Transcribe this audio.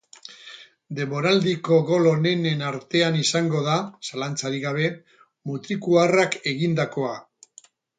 Denboraldiko gol onenen artean izango da, zalantzarik gabe, mutrikuarrak egindakoa.